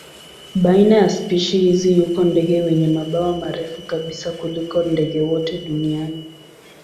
Baina ya spishi hizi yuko ndege wenye mabawa marefu kabisa kuliko ndege wote duniani.